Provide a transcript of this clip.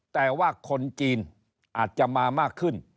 แต่ว่าคนจีนอาจจะมามากขึ้น